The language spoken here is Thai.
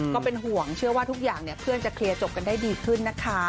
ก็เป็นห่วงเชื่อว่าทุกอย่างเพื่อนจะเคลียร์จบกันได้ดีขึ้นนะคะ